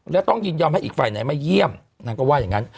แล้วต้องยินยอมให้อีกฝ่ายไหนมาเยี่ยมนางก็ว่าอย่างนั้น